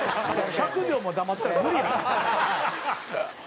「１００秒も黙ってたら無理やで」